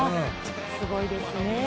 すごいですね。